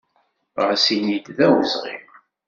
Ɣas ini d awezɣi.